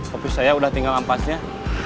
kopi saya udah tinggal ampasnya